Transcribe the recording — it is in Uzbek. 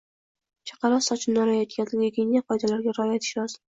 Chaqaloq sochini olayotganda gigiyena qoidalariga rioya etish lozim.